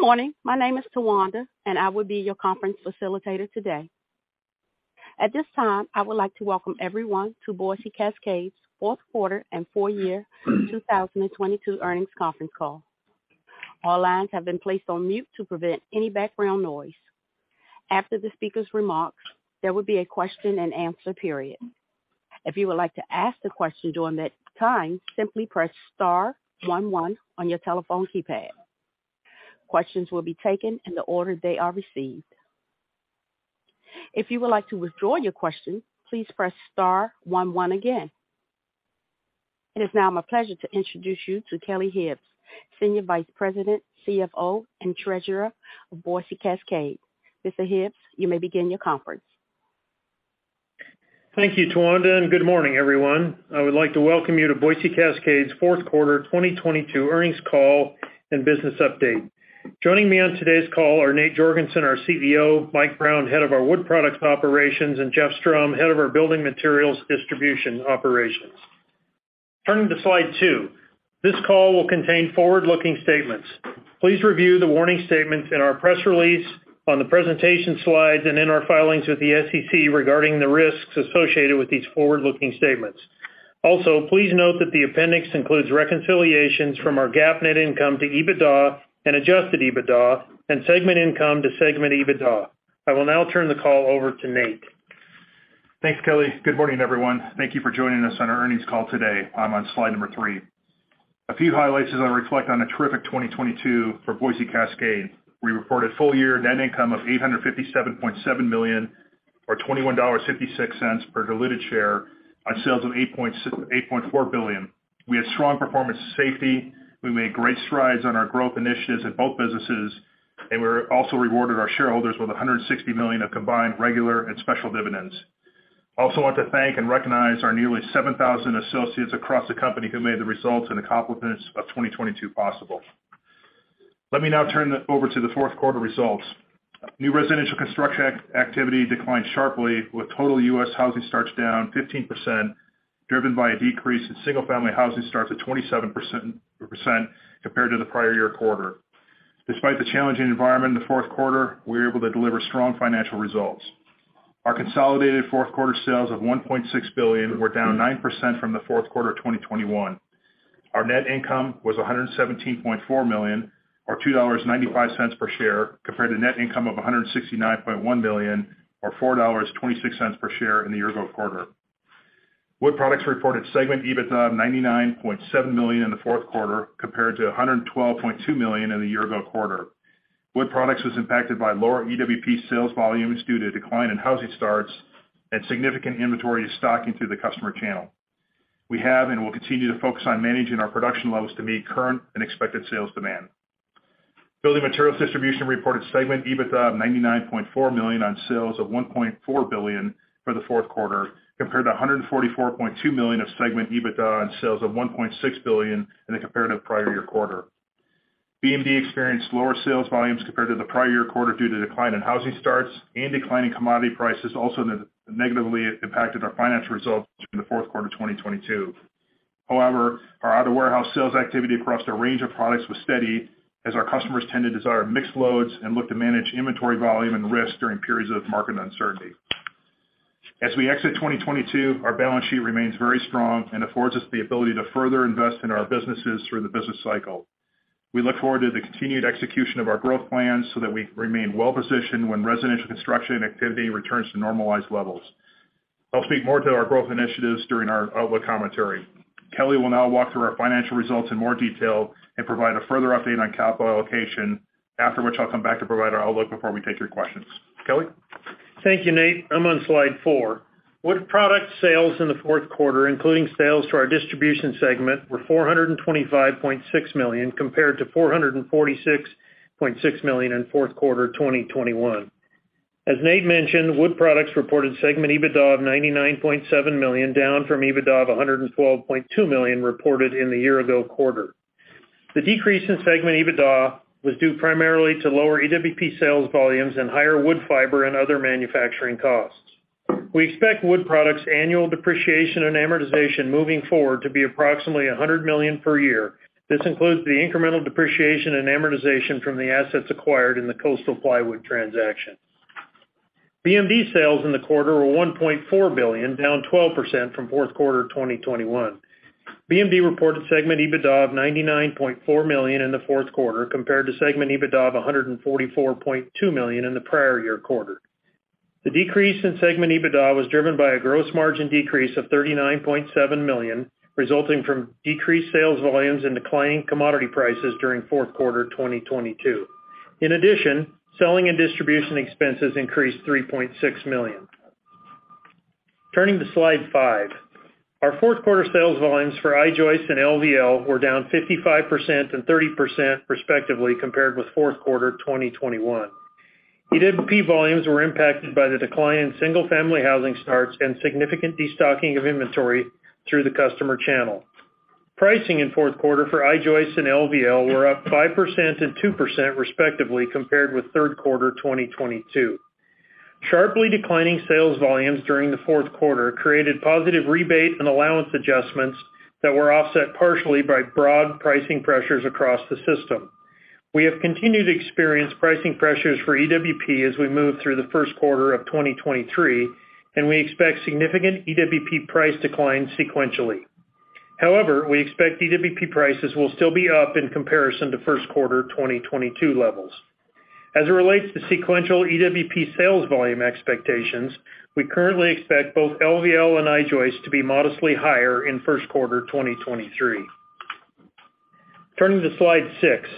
Good morning. My name is Tawanda, and I will be your conference facilitator today. At this time, I would like to welcome everyone to Boise Cascade's Q4 and full year 2022 earnings conference call. All lines have been placed on mute to prevent any background noise. After the speaker's remarks, there will be a question-and-answer period. If you would like to ask a question during that time, simply press star one one on your telephone keypad. Questions will be taken in the order they are received. If you would like to withdraw your question, please press star one one again. It is now my pleasure to introduce you to Kelly Hibbs, Senior Vice President, CFO, and Treasurer of Boise Cascade. Mr. Hibbs, you may begin your conference. Thank you, Tawanda, and good morning, everyone. I would like to welcome you to Boise Cascade's Q4 2022 earnings call and business update. Joining me on today's call are Nate Jorgensen, our CEO, Mike Brown, head of our Wood Products operations, and Jeff Strom, head of our Building Materials Distribution operations. Turning to slide 2. This call will contain forward-looking statements. Please review the warning statements in our press release, on the presentation slides, and in our filings with the SEC regarding the risks associated with these forward-looking statements. Please note that the appendix includes reconciliations from our GAAP net income to EBITDA and adjusted EBITDA and segment income to segment EBITDA. I will now turn the call over to Nate. Thanks, Kelly. Good morning, everyone. Thank you for joining us on our earnings call today. I'm on slide number 3. A few highlights as I reflect on a terrific 2022 for Boise Cascade. We reported full-year net income of $857.7 million or $21.56 per diluted share on sales of $8.4 billion. We had strong performance safety. We made great strides on our growth initiatives in both businesses, we also rewarded our shareholders with $160 million of combined regular and special dividends. I also want to thank and recognize our nearly 7,000 associates across the company who made the results and accomplishments of 2022 possible. Let me now turn over to the Q4 results. New residential construction activity declined sharply, with total U.S. housing starts down 15%, driven by a decrease in single-family housing starts of 27% compared to the prior-year quarter. Despite the challenging environment in the Q4, we were able to deliver strong financial results. Our consolidated Q4 sales of $1.6 billion were down 9% from the Q4 of 2021. Our net income was $117.4 million or $2.95 per share, compared to net income of $169.1 billion or $4.26 per share in the year-ago quarter. Wood Products reported segment EBITDA of $99.7 million in the Q4 compared to $112.2 million in the year-ago quarter. Wood Products was impacted by lower EWP sales volumes due to decline in housing starts and significant inventory stocking through the customer channel. We have and will continue to focus on managing our production levels to meet current and expected sales demand. Building Materials Distribution reported segment EBITDA of $99.4 million on sales of $1.4 billion for the Q4 compared to $144.2 million of segment EBITDA on sales of $1.6 billion in the comparative prior year quarter. BMD experienced lower sales volumes compared to the prior year quarter due to decline in housing starts and declining commodity prices also negatively impacted our financial results during the Q4 of 2022. However, our out-of-warehouse sales activity across the range of products was steady as our customers tend to desire mixed loads and look to manage inventory volume and risk during periods of market uncertainty. As we exit 2022, our balance sheet remains very strong and affords us the ability to further invest in our businesses through the business cycle. We look forward to the continued execution of our growth plans so that we remain well-positioned when residential construction activity returns to normalized levels. I'll speak more to our growth initiatives during our outlook commentary. Kelly will now walk through our financial results in more detail and provide a further update on capital allocation, after which I'll come back to provide our outlook before we take your questions. Kelly? Thank you, Nate. I'm on slide 4. Wood Products sales in the Q4, including sales to our distribution segment, were $425.6 million, compared to $446.6 million in Q4 2021. As Nate mentioned, Wood Products reported segment EBITDA of $99.7 million, down from EBITDA of $112.2 million reported in the year-ago quarter. The decrease in segment EBITDA was due primarily to lower EWP sales volumes and higher wood fiber and other manufacturing costs. We expect Wood Products annual depreciation and amortization moving forward to be approximately $100 million per year. This includes the incremental depreciation and amortization from the assets acquired in the Coastal Plywood transaction. BMD sales in the quarter were $1.4 billion, down 12% from Q4 2021. BMD reported segment EBITDA of $99.4 million in the Q4 compared to segment EBITDA of $144.2 million in the prior year quarter. The decrease in segment EBITDA was driven by a gross margin decrease of $39.7 million, resulting from decreased sales volumes and declining commodity prices during Q4 2022. In addition, selling and distribution expenses increased $3.6 million. Turning to slide five. Our Q4 sales volumes for I-joist and LVL were down 55% and 30% respectively compared with Q4 2021. EWP volumes were impacted by the decline in single-family housing starts and significant destocking of inventory through the customer channel. Pricing in Q4 for I-joist and LVL were up 5% and 2% respectively compared with Q4 2022. Sharply declining sales volumes during the Q4 created positive rebate and allowance adjustments that were offset partially by broad pricing pressures across the system. We have continued to experience pricing pressures for EWP as we move through the Q1 of 2023. We expect significant EWP price declines sequentially. However, we expect EWP prices will still be up in comparison to Q1 2022 levels. As it relates to sequential EWP sales volume expectations, we currently expect both LVL and I-joist to be modestly higher in Q1 2023. Turning to slide 6.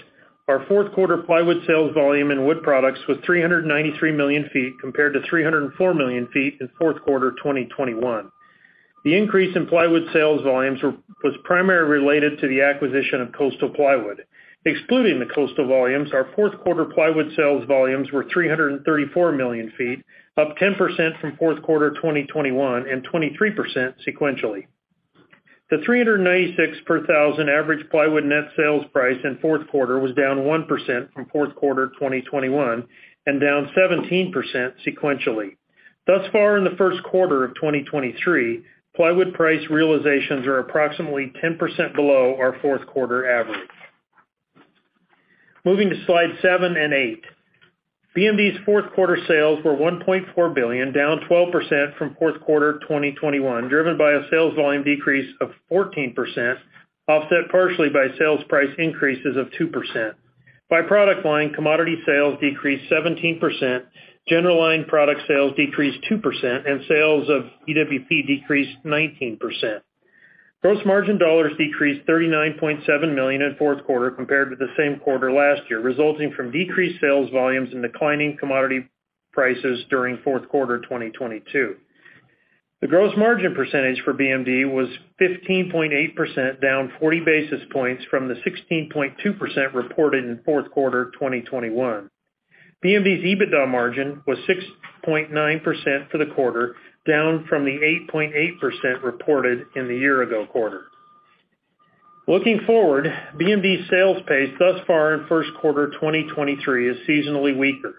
Our Q4 plywood sales volume and Wood Products was 393 million feet, compared to 304 million feet in Q4 2021. The increase in plywood sales volumes was primarily related to the acquisition of Coastal Plywood. Excluding the Coastal volumes, our Q4 plywood sales volumes were 334 million feet, up 10% from Q4 2021 and 23% sequentially. The $396 per thousand average plywood net sales price in Q4 was down 1% from Q4 2021 and down 17% sequentially. Thus far in the Q1 of 2023, plywood price realizations are approximately 10% below our Q4average. M oving to slide 7 and 8. BMD's Q4sales were $1.4 billion, down 12% from Q4 2021, driven by a sales volume decrease of 14%, offset partially by sales price increases of 2%. By product line, commodity sales decreased 17%, general line product sales decreased 2%, and sales of EWP decreased 19%. Gross margin dollars decreased $39.7 million in Q4 compared with the same quarter last year, resulting from decreased sales volumes and declining commodity prices during Q4 2022. The gross margin percentage for BMD was 15.8%, down 40 basis points from the 16.2% reported in 2021. BMD's EBITDA margin was 6.9% for the quarter, down from the 8.8% reported in the year ago quarter. Looking forward, BMD's sales pace thus far in Q1 2023 is seasonally weaker.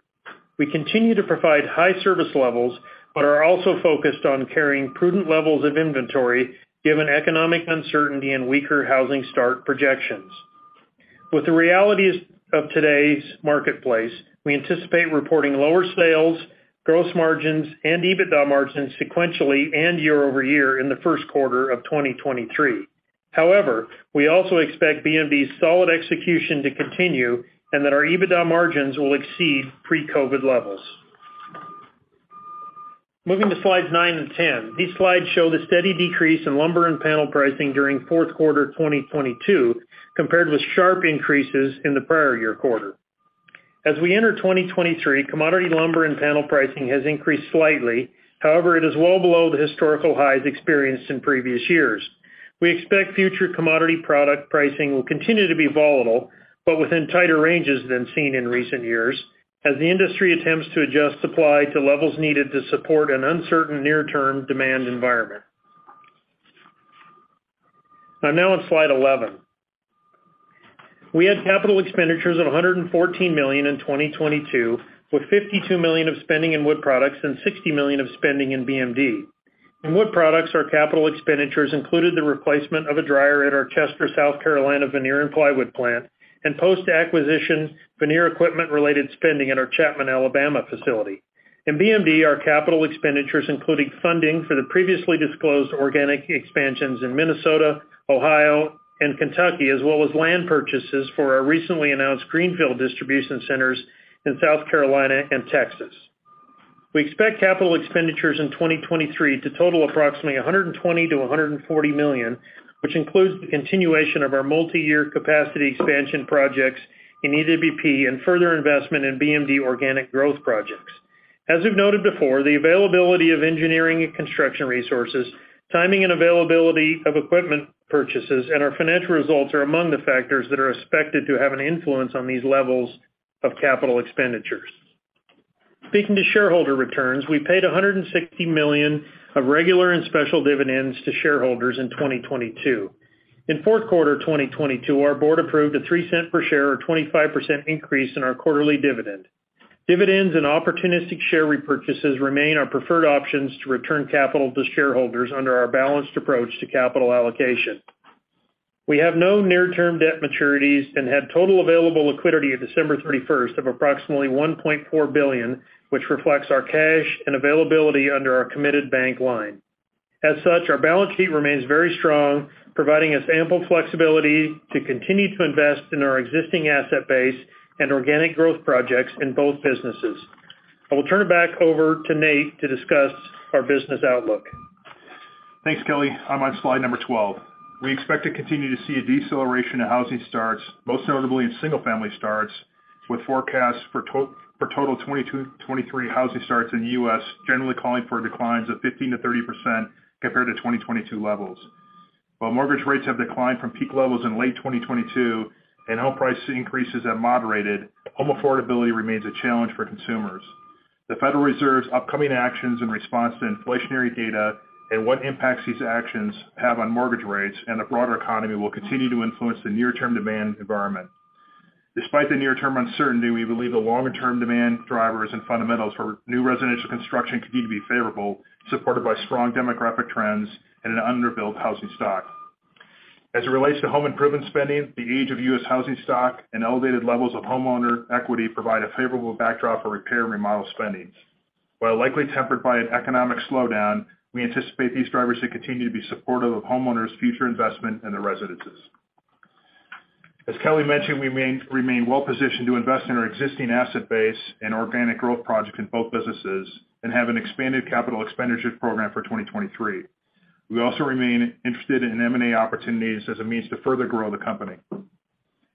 We continue to provide high service levels, but are also focused on carrying prudent levels of inventory given economic uncertainty and weaker housing start projections. With the realities of today's marketplace, we anticipate reporting lower sales, gross margins, and EBITDA margins sequentially and year-over-year in the Q1 of 2023. We also expect BMD's solid execution to continue and that our EBITDA margins will exceed pre-COVID levels. Moving to slides 9 and 10. These slides show the steady decrease in lumber and panel pricing during Q4 2022, compared with sharp increases in the prior year quarter. As we enter 2023, commodity lumber and panel pricing has increased slightly. It is well below the historical highs experienced in previous years. We expect future commodity product pricing will continue to be volatile, but within tighter ranges than seen in recent years, as the industry attempts to adjust supply to levels needed to support an uncertain near-term demand environment. I'm now on slide 11. We had capital expenditures of $114 million in 2022, with $52 million of spending in Wood Products and $60 million of spending in BMD. In Wood Products, our capital expenditures included the replacement of a dryer at our Chester, South Carolina, veneer and plywood plant, and post-acquisition veneer equipment-related spending at our Chapman, Alabama, facility. In BMD, our capital expenditures included funding for the previously disclosed organic expansions in Minnesota, Ohio, and Kentucky, as well as land purchases for our recently announced greenfield distribution centers in South Carolina and Texas. We expect capital expenditures in 2023 to total approximately $120 million-$140 million, which includes the continuation of our multi-year capacity expansion projects in EWP and further investment in BMD organic growth projects. As we've noted before, the availability of engineering and construction resources, timing and availability of equipment purchases, and our financial results are among the factors that are expected to have an influence on these levels of capital expenditures. Speaking to shareholder returns, we paid $160 million of regular and special dividends to shareholders in 2022. In Q4 2022, our board approved a $0.03 per share or 25% increase in our quarterly dividend. Dividends and opportunistic share repurchases remain our preferred options to return capital to shareholders under our balanced approach to capital allocation. We have no near-term debt maturities and had total available liquidity at December 31st of approximately $1.4 billion, which reflects our cash and availability under our committed bank line. As such, our balance sheet remains very strong, providing us ample flexibility to continue to invest in our existing asset base and organic growth projects in both businesses. I will turn it back over to Nate to discuss our business outlook. Thanks, Kelly. I'm on slide number 12. We expect to continue to see a deceleration of housing starts, most notably in single-family starts, with forecasts for total 2022, 2023 housing starts in the U.S. generally calling for declines of 15%-30% compared to 2022 levels. While mortgage rates have declined from peak levels in late 2022 and home price increases have moderated, home affordability remains a challenge for consumers. The Federal Reserve's upcoming actions in response to inflationary data and what impacts these actions have on mortgage rates and the broader economy will continue to influence the near-term demand environment. Despite the near-term uncertainty, we believe the longer-term demand drivers and fundamentals for new residential construction continue to be favorable, supported by strong demographic trends and an under-built housing stock. As it relates to home improvement spending, the age of U.S. housing stock and elevated levels of homeowner equity provide a favorable backdrop for repair and remodel spendings. While likely tempered by an economic slowdown, we anticipate these drivers to continue to be supportive of homeowners' future investment in their residences. As Kelly mentioned, we remain well-positioned to invest in our existing asset base and organic growth project in both businesses and have an expanded capital expenditure program for 2023. We also remain interested in M&A opportunities as a means to further grow the company.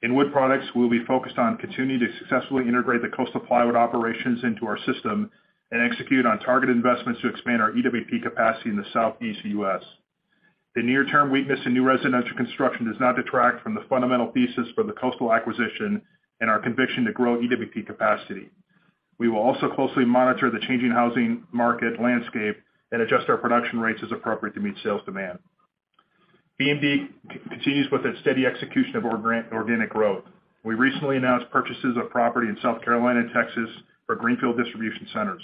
In Wood Products, we'll be focused on continuing to successfully integrate the Coastal Plywood operations into our system and execute on target investments to expand our EWP capacity in the southeast U.S. The near-term weakness in new residential construction does not detract from the fundamental thesis for the Coastal acquisition and our conviction to grow EWP capacity. We will also closely monitor the changing housing market landscape and adjust our production rates as appropriate to meet sales demand. BMD continues with its steady execution of organic growth. We recently announced purchases of property in South Carolina and Texas for greenfield distribution centers.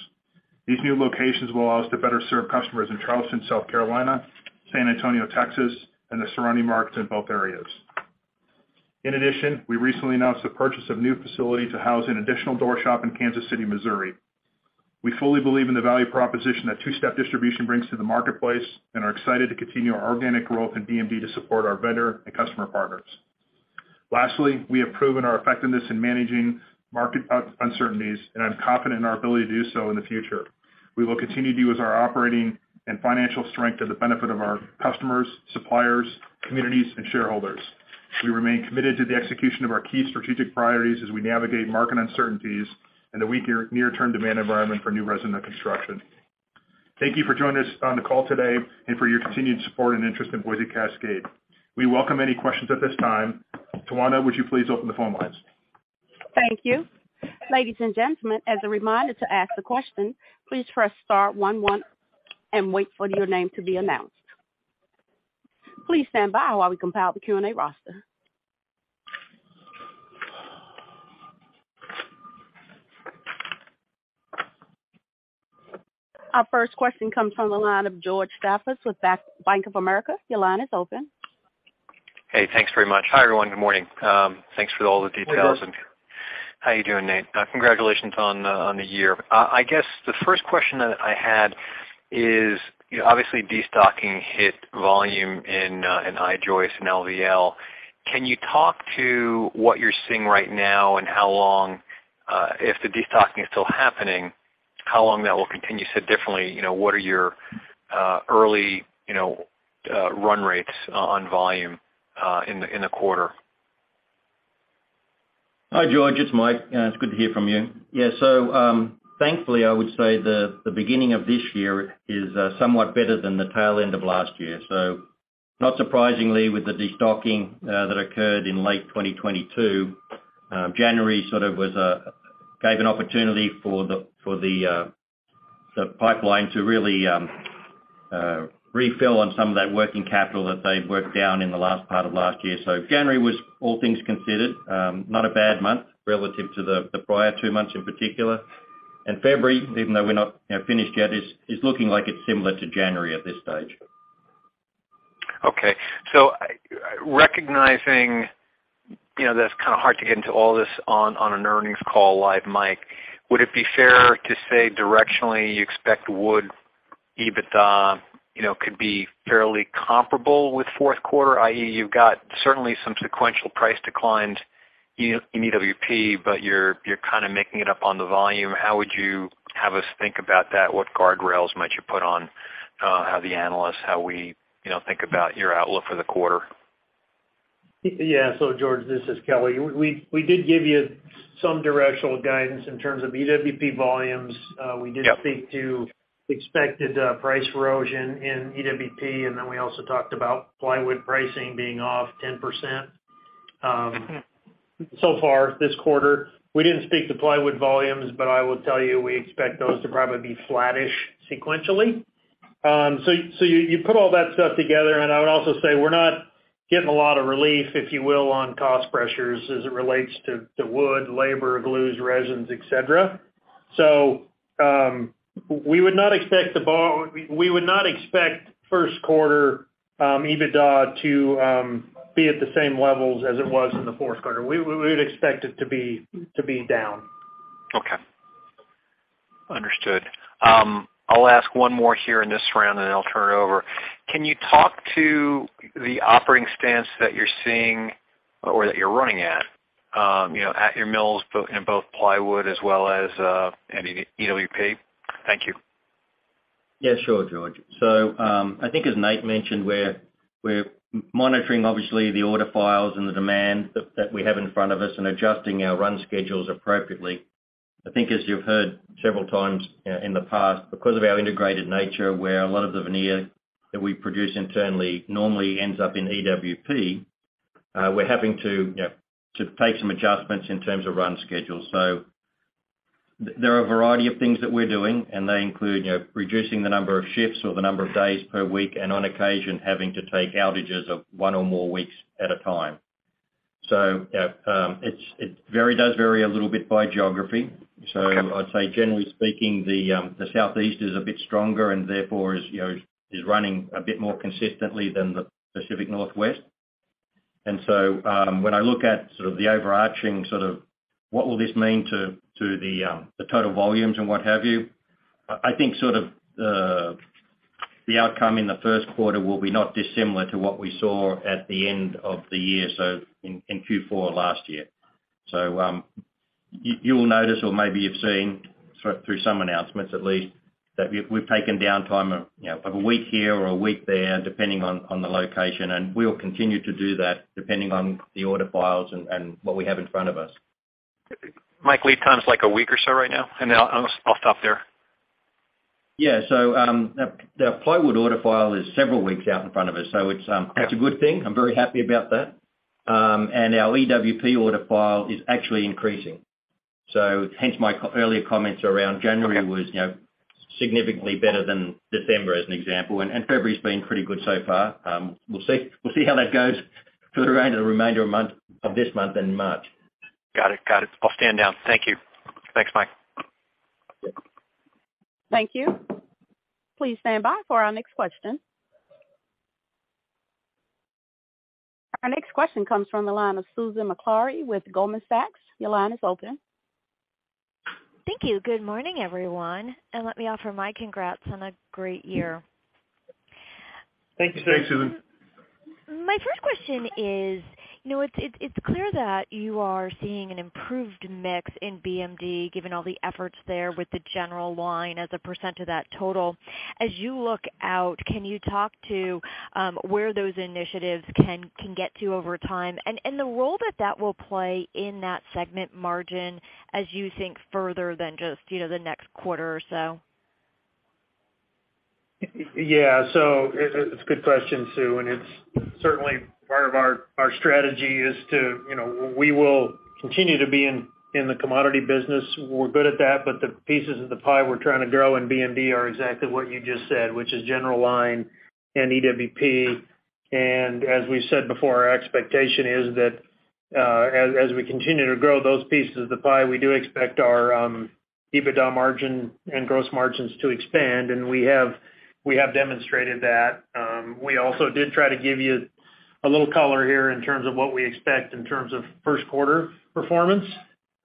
These new locations will allow us to better serve customers in Charleston, South Carolina, San Antonio, Texas, and the surrounding markets in both areas. In addition, we recently announced the purchase of new facility to house an additional door shop in Kansas City, Missouri. We fully believe in the value proposition that two-step distribution brings to the marketplace and are excited to continue our organic growth in BMD to support our vendor and customer partners. We have proven our effectiveness in managing market uncertainties, and I'm confident in our ability to do so in the future. We will continue to use our operating and financial strength to the benefit of our customers, suppliers, communities, and shareholders. We remain committed to the execution of our key strategic priorities as we navigate market uncertainties and the weaker near-term demand environment for new resident construction. Thank you for joining us on the call today and for your continued support and interest in Boise Cascade. We welcome any questions at this time. Towanda, would you please open the phone lines? Thank you. Ladies and gentlemen, as a reminder to ask the question, please press star 11 and wait for your name to be announced. Please stand by while we compile the Q&A roster. Our first question comes from the line of George Staphos with Bank of America. Your line is open. Hey, thanks very much. Hi, everyone. Good morning. Thanks for all the details. Good morning, George. How are you doing, Nate? Congratulations on the year. I guess the first question that I had is obviously destocking hit volume in I-joist and LVL. Can you talk to what you're seeing right now and how long, if the destocking is still happening, how long that will continue? Said differently, you know, what are your early, you know, run rates on volume in the, in the quarter? Hi, George. It's Mike. It's good to hear from you. Yeah. Thankfully, I would say the beginning of this year is somewhat better than the tail end of last year. Not surprisingly, with the destocking that occurred in late 2022, January sort of gave an opportunity for the pipeline to really refill on some of that working capital that they'd worked down in the last part of last year. January was, all things considered, not a bad month relative to the prior 2 months in particular. February, even though we're not, you know, finished yet, is looking like it's similar to January at this stage. Okay. Recognizing, you know, that it's kind of hard to get into all this on an earnings call live, Mike, would it be fair to say directionally, you expect Wood EBITDA, you know, could be fairly comparable with Q1, i.e., you've got certainly some sequential price declines in EWP, but you're kind of making it up on the volume. How would you have us think about that? What guardrails might you put on how the analysts, how we, you know, think about your outlook for the quarter? Yeah. George, this is Kelly. We did give you some directional guidance in terms of EWP volumes. We did. Yep. speak to expected price erosion in EWP. We also talked about plywood pricing being off 10% so far this quarter. We didn't speak to plywood volumes. I will tell you we expect those to probably be flattish sequentially. You put all that stuff together. I would also say we're not getting a lot of relief, if you will, on cost pressures as it relates to wood, labor, glues, resins, et cetera. We would not expect Q1 EBITDA to be at the same levels as it was in the Q4. We would expect it to be down. Understood. I'll ask one more here in this round, and then I'll turn it over. Can you talk to the operating stance that you're seeing or that you're running at, you know, at your mills in both plywood as well as any EWP? Thank you. Yeah, sure, George. I think as Nate mentioned, we're monitoring obviously the order files and the demand that we have in front of us and adjusting our run schedules appropriately. I think as you've heard several times in the past, because of our integrated nature, where a lot of the veneer that we produce internally normally ends up in EWP, we're having to, you know, to take some adjustments in terms of run schedules. There are a variety of things that we're doing, and they include, you know, reducing the number of shifts or the number of days per week, and on occasion, having to take outages of one or more weeks at a time. It very does vary a little bit by geography. I'd say generally speaking, the Southeast is a bit stronger and therefore is, you know, is running a bit more consistently than the Pacific Northwest. When I look at sort of the overarching sort of what will this mean to the total volumes and what have you, I think sort of the outcome in the Q1 will be not dissimilar to what we saw at the end of the year, so in Q4 last year. You will notice or maybe you've seen through some announcements at least that we've taken downtime of, you know, of a week here or a week there, depending on the location, and we will continue to do that depending on the order files and what we have in front of us. Mike, lead time is like a week or so right now? I'll stop there. Yeah. The plywood order file is several weeks out in front of us. It's a good thing. I'm very happy about that. Our EWP order file is actually increasing. Hence my earlier comments around January was, you know, significantly better than December, as an example. February's been pretty good so far. We'll see how that goes for the remainder of the month, of this month and March. Got it. Got it. I'll stand down. Thank you. Thanks, Mike. Thank you. Please stand by for our next question. Our next question comes from the line of Susan with Goldman Sachs. Your line is open. Thank you. Good morning, everyone, and let me offer my congrats on a great year. Thank you. Thanks, Susan. My first question is, you know, it's clear that you are seeing an improved mix in BMD given all the efforts there with the general line as a percent of that total. As you look out, can you talk to where those initiatives can get to over time? The role that will play in that segment margin as you think further than just, you know, the next quarter or so? It's a good question, Sue, it's certainly part of our strategy is to, you know, we will continue to be in the commodity business. We're good at that. The pieces of the pie we're trying to grow in BMD are exactly what you just said, which is general line and EWP. As we said before, our expectation is that as we continue to grow those pieces of the pie, we do expect our EBITDA margin and gross margins to expand. We have demonstrated that. We also did try to give you a little color here in terms of what we expect in terms of Q1 performance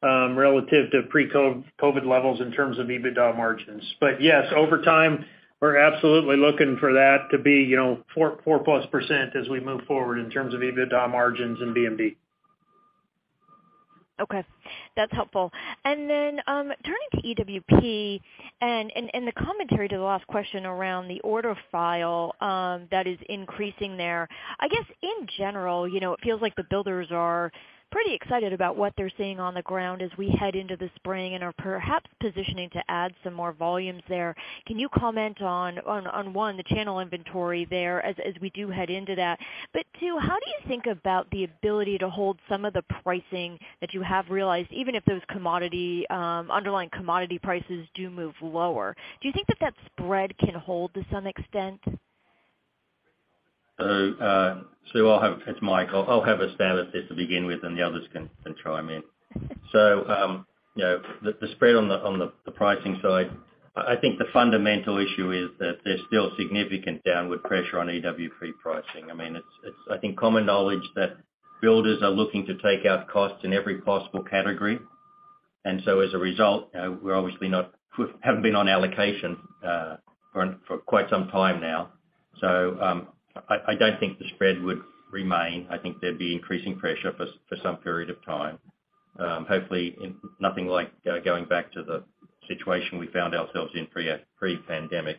relative to pre-COVID levels in terms of EBITDA margins. Yes, over time, we're absolutely looking for that to be, you know, 4+% as we move forward in terms of EBITDA margins in BMD. Okay, that's helpful. Turning to EWP and the commentary to the last question around the order file, that is increasing there. I guess in general, you know, it feels like the builders are pretty excited about what they're seeing on the ground as we head into the spring and are perhaps positioning to add some more volumes there. Can you comment on one, the channel inventory there as we do head into that? Two, how do you think about the ability to hold some of the pricing that you have realized, even if those commodity, underlying commodity prices do move lower? Do you think that spread can hold to some extent? Sue, it's Mike. I'll have a stab at this to begin with, and the others can chime in. You know, the spread on the pricing side, I think the fundamental issue is that there's still significant downward pressure on EWP pricing. I mean, it's, I think, common knowledge that builders are looking to take out costs in every possible category. As a result, you know, we haven't been on allocation for quite some time now. I don't think the spread would remain. I think there'd be increasing pressure for some period of time. Hopefully in nothing like going back to the situation we found ourselves in pre-pandemic.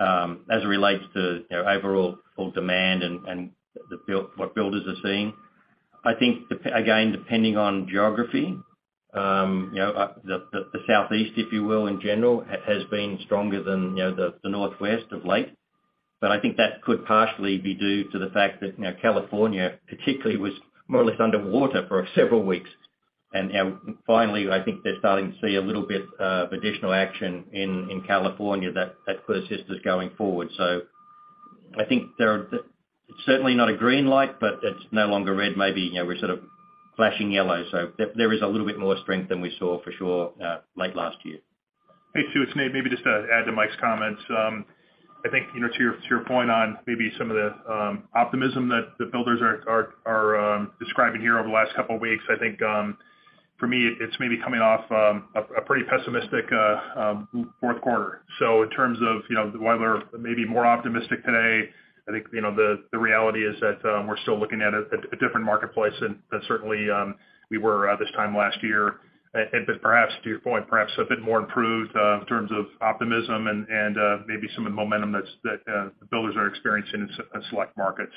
As it relates to, you know, overall demand and what builders are seeing, I think, again, depending on geography, you know, the Southeast, if you will, in general has been stronger than, you know, the Northwest of late. I think that could partially be due to the fact that, you know, California particularly was more or less underwater for several weeks. Finally, I think they're starting to see a little bit of additional action in California that persists going forward. I think it's certainly not a green light, but it's no longer red. Maybe, you know, we're sort of flashing yellow, so there is a little bit more strength than we saw for sure late last year. Hey, Susan Maklari, it's Nate Jorgensen. Maybe just to add to Mike Brown's comments. I think, you know, to your point on maybe some of the optimism that the builders are describing here over the last couple of weeks. I think, for me, it's maybe coming off a pretty pessimistic fourth quarter. In terms of, you know, whether maybe more optimistic today, I think, you know, the reality is that we're still looking at a different marketplace than certainly we were this time last year. Perhaps to your point, perhaps a bit more improved in terms of optimism and maybe some of the momentum that's the builders are experiencing in a select market.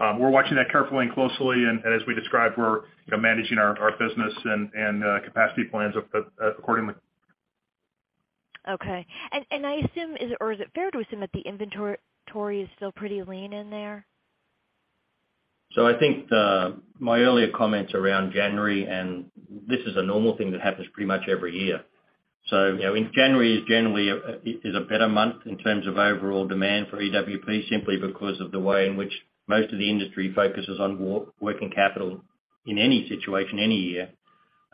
We're watching that carefully and closely. as we described, we're, you know, managing our business and, capacity plans accordingly. Okay. I assume is it fair to assume that the inventory is still pretty lean in there? I think my earlier comments around January, and this is a normal thing that happens pretty much every year. You know, in January is generally a better month in terms of overall demand for EWP, simply because of the way in which most of the industry focuses on working capital in any situation, any year.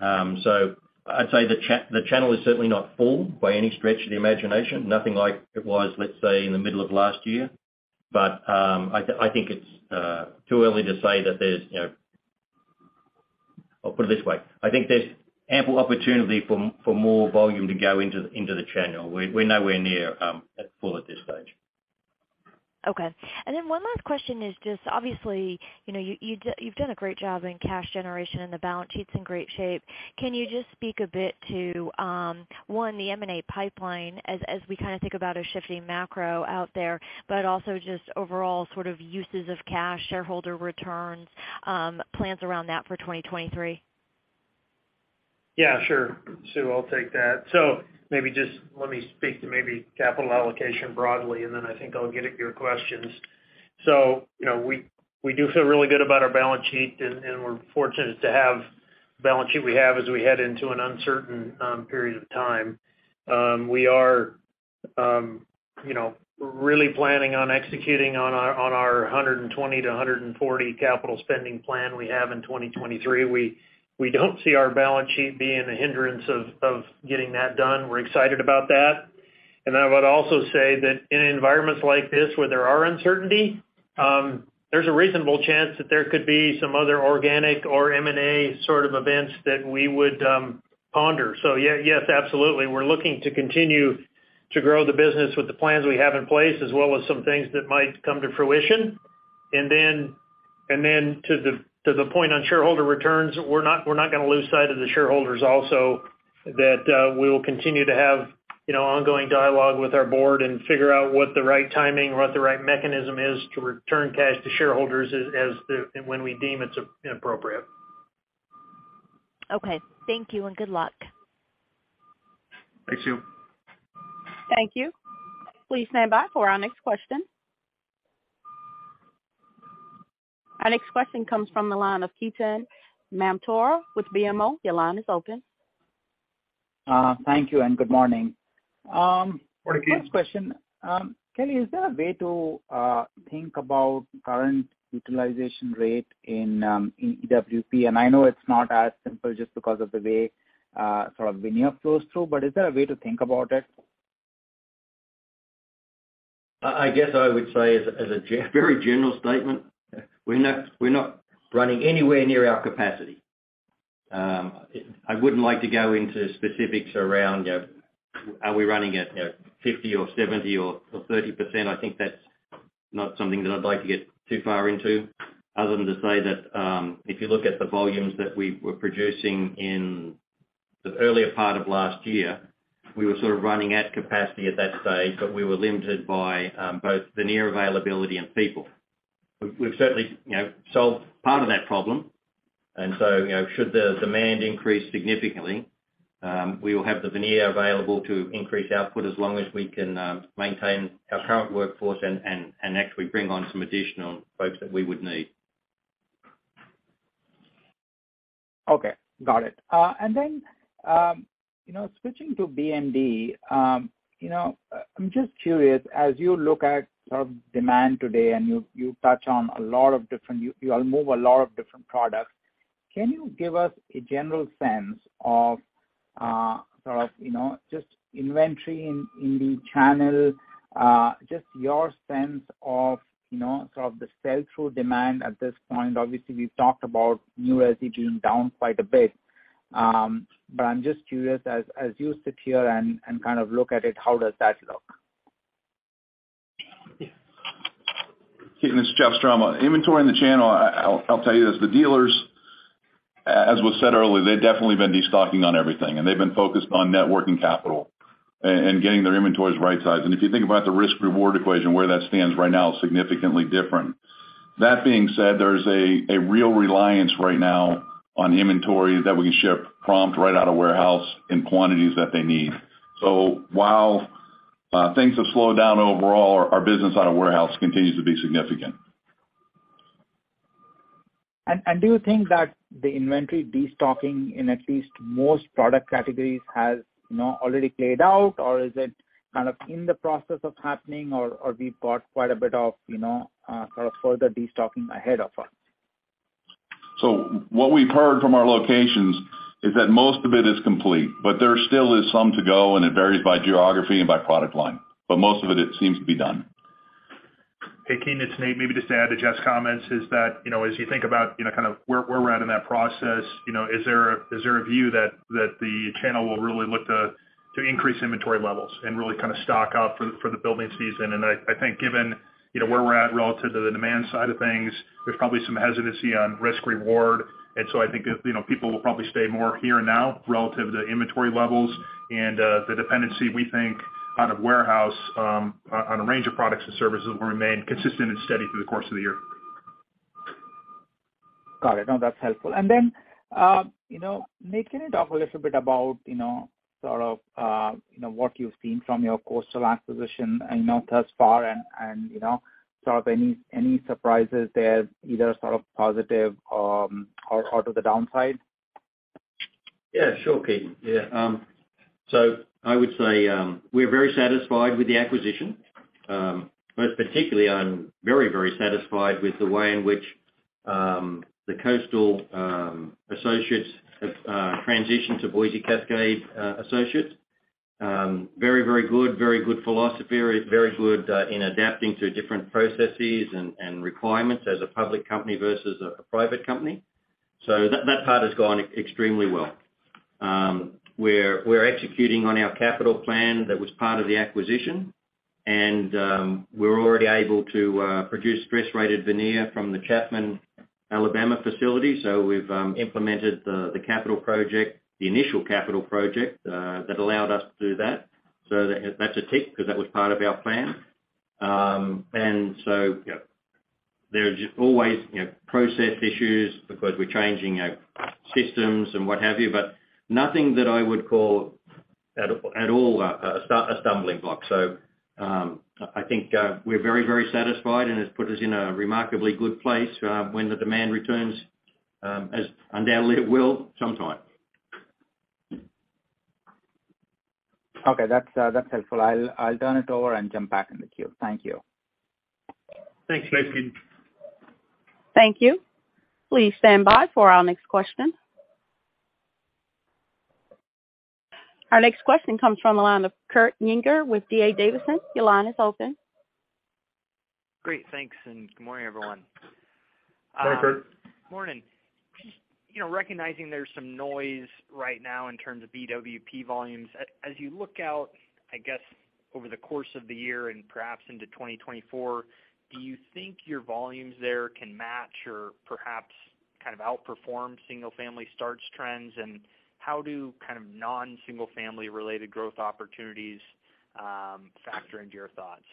I'd say the channel is certainly not full by any stretch of the imagination, nothing like it was, let's say, in the middle of last year. I think it's too early to say that there's, you know... I'll put it this way. I think there's ample opportunity for more volume to go into the channel. We're nowhere near at full at this stage. Okay. One last question is just obviously, you know, you've done a great job in cash generation, and the balance sheet's in great shape. Can you just speak a bit to one, the M&A pipeline as we kinda think about a shifting macro out there, but also just overall sort of uses of cash, shareholder returns, plans around that for 2023? Yeah, sure. Susan, I'll take that. Maybe just let me speak to capital allocation broadly, and then I think I'll get at your questions. You know, we do feel really good about our balance sheet, and we're fortunate to have the balance sheet we have as we head into an uncertain period of time. We are, you know, really planning on executing on our 120 to 140 capital spending plan we have in 2023. We don't see our balance sheet being a hindrance of getting that done. We're excited about that. I would also say that in environments like this where there are uncertainty, there's a reasonable chance that there could be some other organic or M&A sort of events that we would ponder. Yeah. Yes, absolutely. We're looking to continue to grow the business with the plans we have in place as well as some things that might come to fruition. Then to the point on shareholder returns, we're not gonna lose sight of the shareholders also that, we will continue to have, you know, ongoing dialogue with our board and figure out what the right timing, what the right mechanism is to return cash to shareholders when we deem it's appropriate. Okay. Thank you, and good luck. Thanks, Sue. Thank you. Please stand by for our next question. Our next question comes from the line of Ketan Mamtora with BMO. Your line is open. Thank you, good morning. Good morning, Ketan. First question. Kelly, is there a way to think about current utilization rate in EWP? I know it's not as simple just because of the way sort of veneer flows through, but is there a way to think about it? I guess I would say as a very general statement, we're not running anywhere near our capacity. I wouldn't like to go into specifics around, you know, are we running at, you know, 50 or 70 or 30%. I think that's not something that I'd like to get too far into other than to say that, if you look at the volumes that we were producing in the earlier part of last year, we were sort of running at capacity at that stage, but we were limited by both veneer availability and people. We've certainly, you know, solved part of that problem. You know, should the demand increase significantly, we will have the veneer available to increase output as long as we can, maintain our current workforce and actually bring on some additional folks that we would need. Okay. Got it. Then, you know, switching to BMD, you know, I'm just curious, as you look at sort of demand today and you move a lot of different products. Can you give us a general sense of, sort of, you know, just inventory in the channel, just your sense of, you know, sort of the sell-through demand at this point? Obviously, we've talked about new resi being down quite a bit, but I'm just curious, as you sit here and kind of look at it, how does that look? Ketan, this is Jeff Strom. Inventory in the channel, I'll tell you this. The dealers, as was said earlier, they've definitely been destocking on everything, and they've been focused on net working capital and getting their inventories right-sized. If you think about the risk/reward equation, where that stands right now is significantly different. That being said, there's a real reliance right now on inventory that we can ship prompt right out of warehouse in quantities that they need. While things have slowed down overall, our business out of warehouse continues to be significant. Do you think that the inventory destocking in at least most product categories has, you know, already played out, or is it kind of in the process of happening or we've got quite a bit of, you know, sort of further destocking ahead of us? What we've heard from our locations is that most of it is complete, but there still is some to go, and it varies by geography and by product line. Most of it seems to be done. Hey, Ketan, it's Nate. Maybe just to add to Jeff's comments is that, you know, as you think about, you know, kind of where we're at in that process, you know, is there a view that the channel will really look to increase inventory levels and really kind of stock up for the building season? I think given, you know, where we're at relative to the demand side of things, there's probably some hesitancy on risk/reward. I think that, you know, people will probably stay more here and now relative to inventory levels. The dependency, we think out of warehouse on a range of products and services will remain consistent and steady through the course of the year. Got it. No, that's helpful. Then, you know, Nate, can you talk a little bit about, you know, sort of, you know, what you've seen from your Coastal acquisition and, you know, thus far and, you know, sort of any surprises there, either sort of positive, or to the downside? Ketan. I would say we're very satisfied with the acquisition. Particularly I'm very satisfied with the way in which the Coastal associates have transitioned to Boise Cascade associates. Very good. Very good philosophy. Very good in adapting to different processes and requirements as a public company versus a private company. That part has gone extremely well. We're executing on our capital plan that was part of the acquisition. We're already able to produce stress-rated veneer from the Chapman, Alabama facility. We've implemented the capital project, the initial capital project, that allowed us to do that. That's a tick because that was part of our plan. There are just always, you know, process issues because we're changing our systems and what have you, but nothing that I would call at all a stumbling block. I think we're very, very satisfied, and it's put us in a remarkably good place when the demand returns as undoubtedly it will sometime. Okay, that's helpful. I'll turn it over and jump back in the queue. Thank you. Thanks, Ketan. Thank you. Please stand by for our next question. Our next question comes from the line of Kurt Yinger with D.A. Davidson & Co. Your line is open. Great. Thanks, and good morning, everyone. Hi, Kurt. Morning. Just, you know, recognizing there's some noise right now in terms of BWP volumes. As you look out, I guess, over the course of the year and perhaps into 2024, do you think your volumes there can match or perhaps kind of outperform single-family starts trends? How do kind of non-single-family related growth opportunities factor into your thoughts?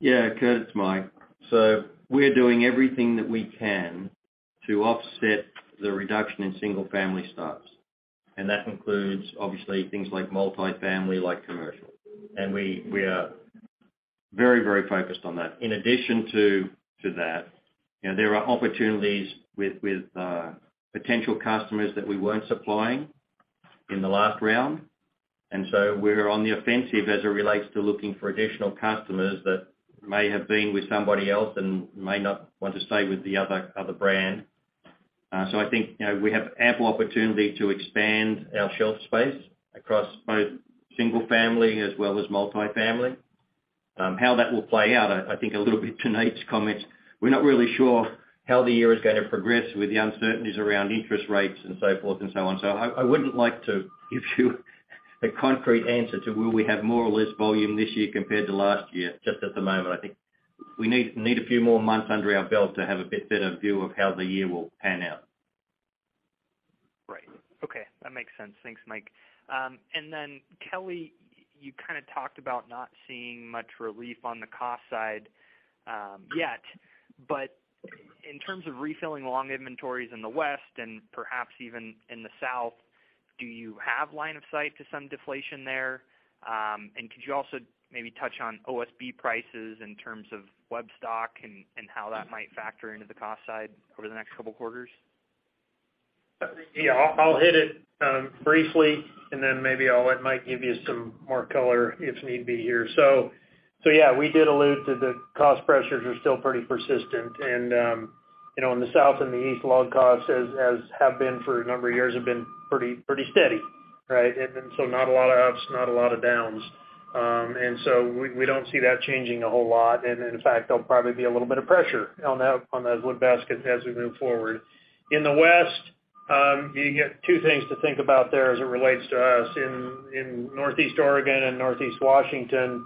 Kurt, it's Mike. We're doing everything that we can to offset the reduction in single family starts. That includes, obviously, things like multifamily, like commercial. We are very, very focused on that. In addition to that, you know, there are opportunities with potential customers that we weren't supplying in the last round. We're on the offensive as it relates to looking for additional customers that may have been with somebody else and may not want to stay with the other brand. I think, you know, we have ample opportunity to expand our shelf space across both single family as well as multifamily. how that will play out, I think a little bit to Nate's comments, we're not really sure how the year is gonna progress with the uncertainties around interest rates and so forth and so on. I wouldn't like to give you a concrete answer to will we have more or less volume this year compared to last year just at the moment. I think we need a few more months under our belt to have a bit better view of how the year will pan out. Right. Okay. That makes sense. Thanks, Mike. And then, Kelly, you kinda talked about not seeing much relief on the cost side yet. In terms of refilling long inventories in the West and perhaps even in the South, do you have line of sight to some deflation there? Could you also maybe touch on OSB prices in terms of web stock and how that might factor into the cost side over the next couple quarters? Yeah. I'll hit it briefly, and then maybe I'll let Mike give you some more color if need be here. Yeah, we did allude to the cost pressures are still pretty persistent. You know, in the South and the East, log costs as have been for a number of years have been pretty steady, right? Not a lot of ups, not a lot of downs. We don't see that changing a whole lot. In fact, there'll probably be a little bit of pressure on those wood baskets as we move forward. In the West, you got two things to think about there as it relates to us. In Northeast Oregon and Northeast Washington,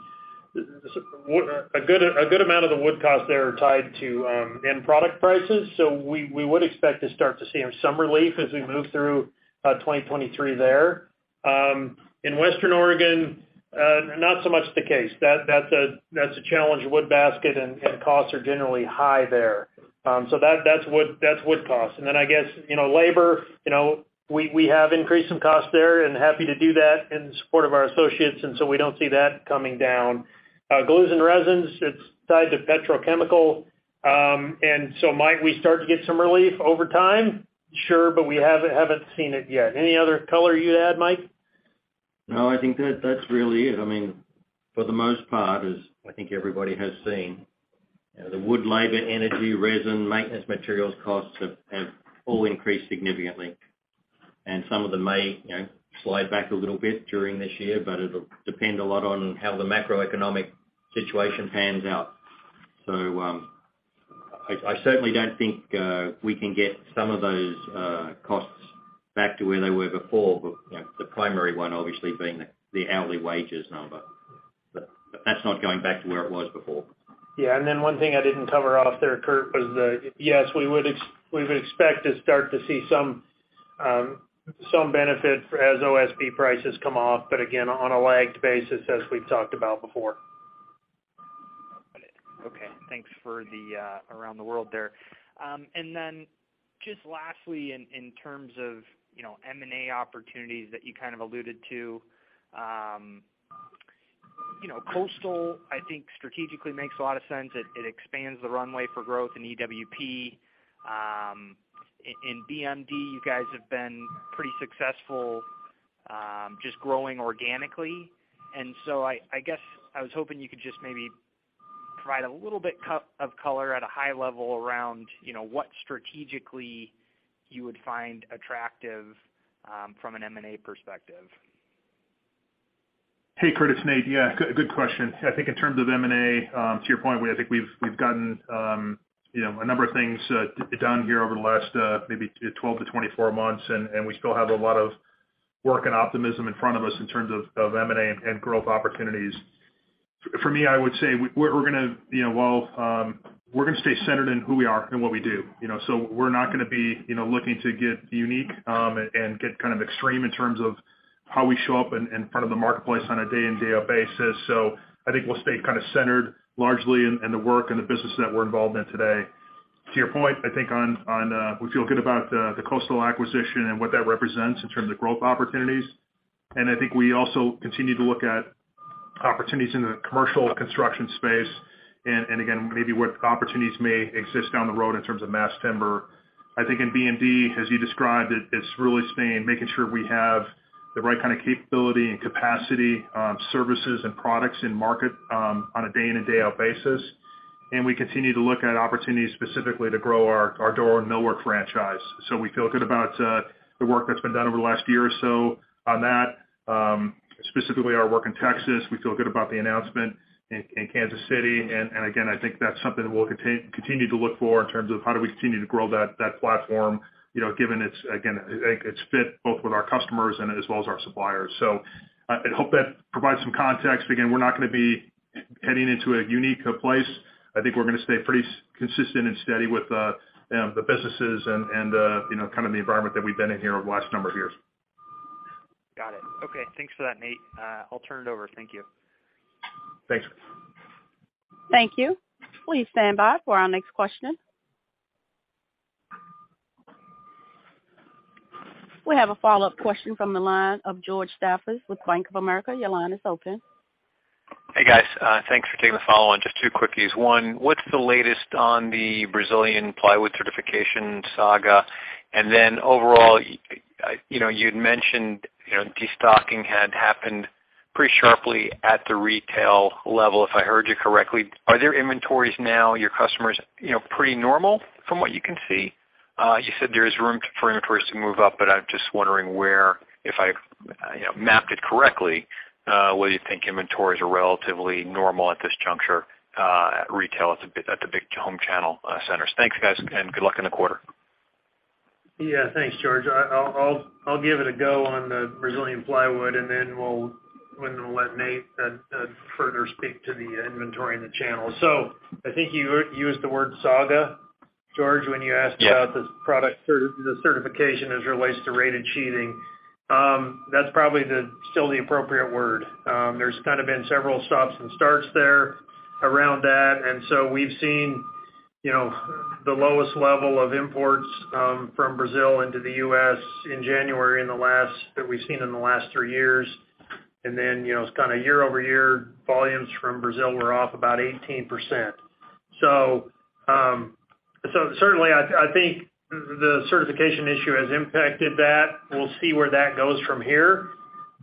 a good amount of the wood costs there are tied to end product prices. We would expect to start to see some relief as we move through 2023 there. In Western Oregon, not so much the case. That's a challenge wood basket and costs are generally high there. That's wood costs. I guess, you know, labor, you know, we have increased some costs there and happy to do that in support of our associates, we don't see that coming down. Glues and resins, it's tied to petrochemical. Might we start to get some relief over time? Sure. We haven't seen it yet. Any other color you'd add, Mike? No, I think that that's really it. I mean, for the most part, as I think everybody has seen, you know, the wood labor, energy, resin, maintenance materials costs have all increased significantly. Some of them may, you know, slide back a little bit during this year, but it'll depend a lot on how the macroeconomic situation pans out. I certainly don't think we can get some of those costs back to where they were before. You know, the primary one obviously being the hourly wages number. That's not going back to where it was before. Yeah. One thing I didn't cover off there, Kurt, was the, yes, we would expect to start to see some benefit for as OSB prices come off, but again, on a lagged basis as we've talked about before. Okay. Thanks for the around the world there. Then just lastly, in terms of, you know, M&A opportunities that you kind of alluded to, you know, Coastal, I think strategically makes a lot of sense. It expands the runway for growth in EWP. In BMD, you guys have been pretty successful just growing organically. So I guess I was hoping you could just maybe provide a little bit of color at a high level around, you know, what strategically you would find attractive from an M&A perspective. Hey, Curtis, Nate. Yeah, good question. I think in terms of M&A, to your point, I think we've gotten, you know, a number of things done here over the last 12-24 months, and we still have a lot of work and optimism in front of us in terms of M&A and growth opportunities. For me, I would say we're gonna, you know, well, we're gonna stay centered in who we are and what we do, you know. We're not gonna be, you know, looking to get unique and get kind of extreme in terms of how we show up in front of the marketplace on a day-in day-out basis. I think we'll stay kinda centered largely in the work and the business that we're involved in today. To your point, I think on we feel good about the Coastal acquisition and what that represents in terms of growth opportunities. I think we also continue to look at opportunities in the commercial construction space, and again, maybe what opportunities may exist down the road in terms of mass timber. I think in BMD, as you described it's really staying, making sure we have the right kind of capability and capacity, services and products in market, on a day-in and day-out basis. We continue to look at opportunities specifically to grow our door and millwork franchise. We feel good about the work that's been done over the last year or so on that, specifically our work in Texas. We feel good about the announcement in Kansas City. Again, I think that's something we'll continue to look for in terms of how do we continue to grow that platform, you know, given its, again, I think it's fit both with our customers and as well as our suppliers. I hope that provides some context. Again, we're not gonna be heading into a unique place. I think we're gonna stay pretty consistent and steady with the businesses and, you know, kind of the environment that we've been in here over the last number of years. Got it. Okay, thanks for that, Nate. I'll turn it over. Thank you. Thanks. Thank you. Please stand by for our next question. We have a follow-up question from the line of George Staphos with Bank of America. Your line is open. Hey, guys. Thanks for taking the follow on. Just two quickies. One, what's the latest on the Brazilian plywood certification saga? Overall, you know, you'd mentioned, you know, destocking had happened pretty sharply at the retail level, if I heard you correctly. Are there inventories now, your customers, you know, pretty normal from what you can see? You said there's room for inventories to move up, but I'm just wondering where, if I, you know, mapped it correctly, whether you think inventories are relatively normal at this juncture, at retail at the big home channel, centers. Thanks, guys, and good luck in the quarter. Yeah, thanks, George. I'll give it a go on the Brazilian plywood, and then when to let Nate further speak to the inventory in the channel. I think you used the word saga, George, when you asked about. Yeah. the certification as it relates to rated sheathing. That's probably still the appropriate word. There's kind of been several stops and starts there around that, we've seen, you know, the lowest level of imports from Brazil into the U.S. in January that we've seen in the last three years. You know, it's kinda year-over-year, volumes from Brazil were off about 18%. Certainly I think the certification issue has impacted that. We'll see where that goes from here.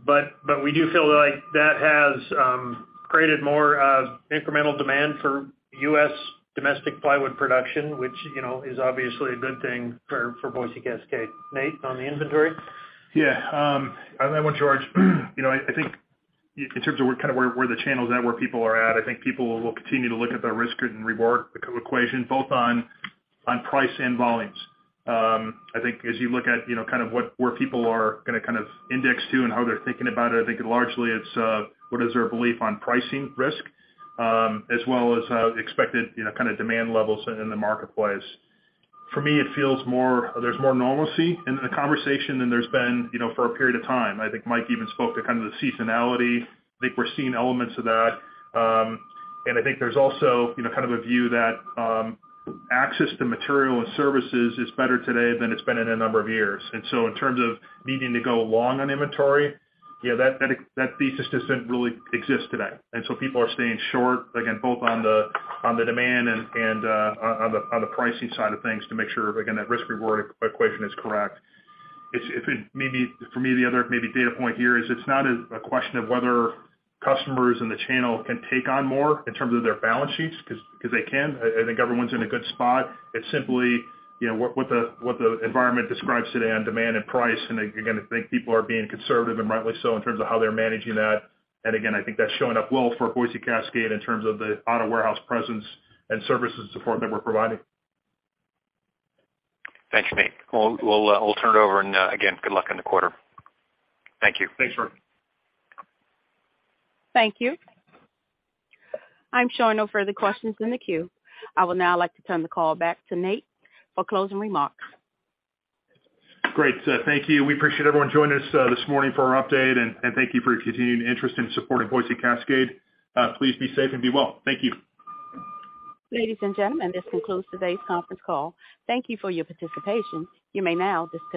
But we do feel like that has created more incremental demand for U.S. domestic plywood production, which, you know, is obviously a good thing for Boise Cascade. Nate, on the inventory? Yeah, George, you know, I think in terms of where kind of where the channel is at, where people are at, I think people will continue to look at their risk and reward equation both on price and volumes. I think as you look at, you know, kind of where people are gonna kind of index to and how they're thinking about it, I think largely it's what is their belief on pricing risk, as well as expected, you know, kind of demand levels in the marketplace. For me, it feels there's more normalcy in the conversation than there's been, you know, for a period of time. I think Mike even spoke to kind of the seasonality. I think we're seeing elements of that. I think there's also, you know, kind of a view that access to material and services is better today than it's been in a number of years. In terms of needing to go along on inventory, yeah, that, that thesis doesn't really exist today. People are staying short, again, both on the, on the demand and on the, on the pricing side of things to make sure, again, that risk reward equation is correct. Maybe for me, the other maybe data point here is it's not a question of whether customers in the channel can take on more in terms of their balance sheets, 'cause they can. I think everyone's in a good spot. It's simply, you know, what the, what the environment describes today on demand and price. Again, I think people are being conservative, and rightly so, in terms of how they're managing that. Again, I think that's showing up well for Boise Cascade in terms of the auto warehouse presence and services support that we're providing. Thanks, Nate. We'll turn it over, and again, good luck in the quarter. Thank you. Thanks, George. Thank you. I'm showing no further questions in the queue. I would now like to turn the call back to Nate for closing remarks. Great. Thank you. We appreciate everyone joining us, this morning for our update, and thank you for your continued interest and support in Boise Cascade. Please be safe and be well. Thank you. Ladies and gentlemen, this concludes today's conference call. Thank you for your participation. You may now disconnect.